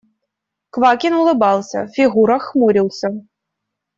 Квакин улыбался, Фигура хмурился.